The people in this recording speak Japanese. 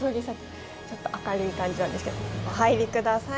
ちょっと明るい感じなんですけどお入り下さい。